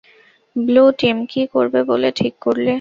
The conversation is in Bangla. ব্লু টিম, কী করবে বলে ঠিক করলে?